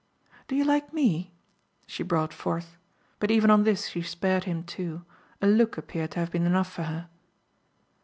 Do you like ME?" she brought forth. But even on this she spared him too; a look appeared to have been enough for her.